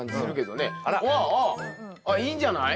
あっいいんじゃない？